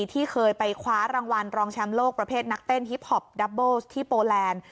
ที่เคยไปคว้ารางวัลรองแชมป์โลกประเภทนักเต้นฮิปพอปดับเบิลที่โปแลนด์